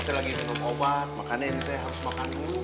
saya lagi minum obat makannya harus makan dulu